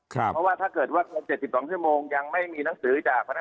เพราะว่าถ้าเกิดว่า๗๒ชั่วโมงยังไม่มีหนังสือจากคณะ